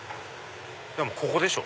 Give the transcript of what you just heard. でもここでしょ。